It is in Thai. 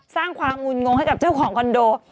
สร้างความงุ่นงงให้กับเจ้าของคอนโด